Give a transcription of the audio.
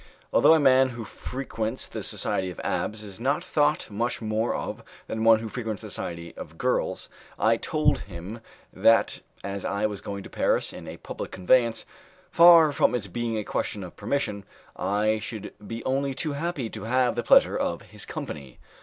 Although a man who frequents the society of abbés is not thought much more of than one who frequents the society of girls, I told him that as I was going to Paris in a public conveyance far from its being a question of permission I should be only too happy to have the pleasure of his company.